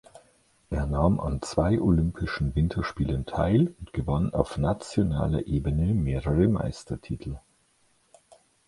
Er nahm an zwei Olympischen Winterspielen teil und gewann auf nationaler Ebene mehrere Meistertitel.